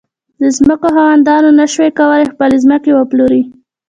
د ځمکو خاوندانو نه شوای کولای خپلې ځمکې وپلوري.